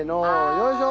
よいしょ！